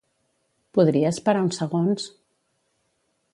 Podries parar uns segons?